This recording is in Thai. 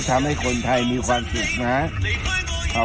มันทำให้คนไทยมีความสุขมาจรัก